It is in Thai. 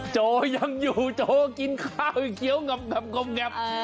โจยังอยู่โจกินข้าวเขียวเงิบ